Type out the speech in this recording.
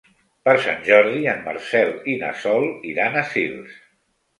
Per Sant Jordi en Marcel i na Sol iran a Sils.